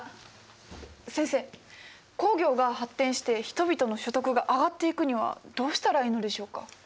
先生工業が発展して人々の所得が上がっていくにはどうしたらいいのでしょうか？